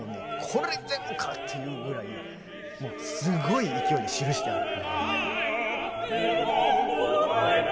これでもかっていうぐらいもうすごい勢いで記してある。